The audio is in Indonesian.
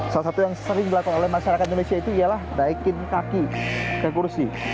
salah satu yang sering dilakukan oleh masyarakat indonesia itu ialah naikin kaki ke kursi